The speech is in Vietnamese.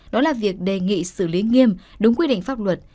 đó là việc đề nghị xử lý nghiêm đúng quy định pháp luật